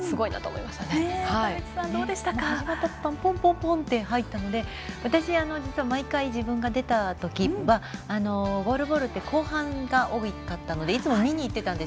始まったとたんにポンポンポンと入ったので私、実は毎回自分が出たときはゴールボールって後半が多かったのでいつも見に行っていたんです。